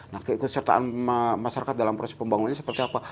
nah keikutsertaan masyarakat dalam proses pembangunan itu seperti apa